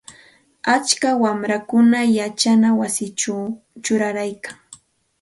Atska wamrakunam yachana wasichaw chuqayarkan.